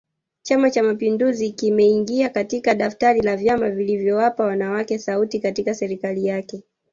Chama Cha mapinduzi kimeingia katika daftari la vyama vilivyowapa wanawake sauti katika serikali yake